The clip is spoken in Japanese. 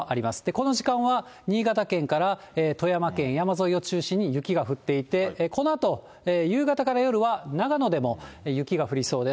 この時間は、新潟県から富山県、山沿いを中心に雪が降っていて、このあと夕方から夜は長野でも雪が降りそうです。